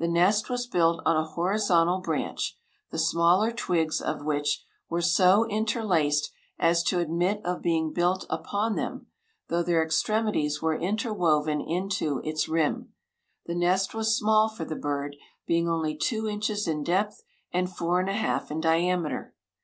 The nest was built on a horizontal branch, the smaller twigs of which were so interlaced as to admit of being built upon them, though their extremities were interwoven into its rim. The nest was small for the bird, being only two inches in depth and four and a half in diameter.